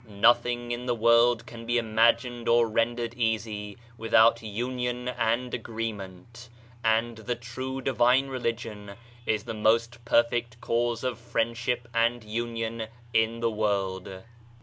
Nothing in the world can be imagined or rendered easy vrithout union and agreement; and the true divine religion is the most perfect cause of friendship and union in the world.